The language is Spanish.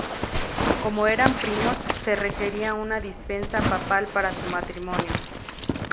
Como eran primos, se requería una dispensa papal para su matrimonio.